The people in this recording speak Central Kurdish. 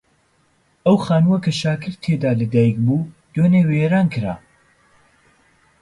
ئەو خانووەی کە شاکر تێیدا لەدایک بوو دوێنێ وێران کرا.